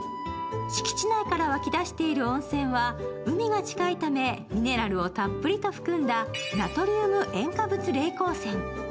敷地内から湧き出している温泉は海が近いためミネラルをたっぷりと含んだナトリウム塩化物鉱泉。